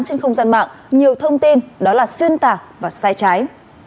trên không gian mạng nhiều thông tin đó là xuyên tạc và sai trái